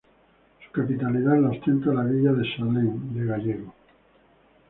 Su capitalidad la ostenta la villa de Sallent de Gállego.